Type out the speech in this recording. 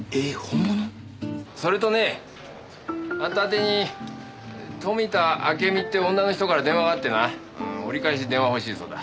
それとねぇあんた宛てに富田明美って女の人から電話があってな折り返し電話を欲しいそうだ。